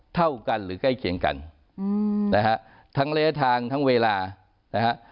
เท่ากันหรือใกล้เคียงกันอืมนะฮะทั้งระยะทางทั้งเวลานะฮะ